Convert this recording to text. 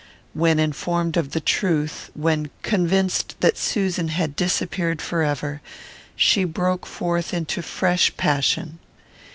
When informed of the truth, when convinced that Susan had disappeared forever, she broke forth into fresh passion.